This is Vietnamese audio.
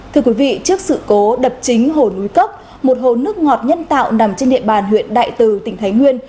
thưa quý vị trước sự cố đập chính hồ núi cốc một hồ nước ngọt nhân tạo nằm trên địa bàn huyện đại từ tỉnh thái nguyên